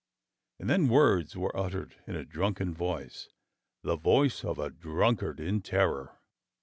And then words were uttered in a drunken voice, the voice of a drunkard in terror.